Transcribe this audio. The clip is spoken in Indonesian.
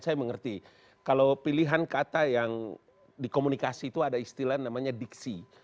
saya mengerti kalau pilihan kata yang dikomunikasi itu ada istilah namanya diksi